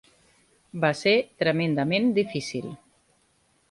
Va ser tremendament difícil.